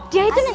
dia itu dari